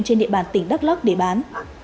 trên địa bàn tỉnh đắk lóc để bán